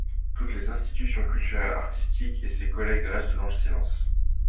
Toutes les institutions culturelles, artistiques et ses collègues restent dans le silence.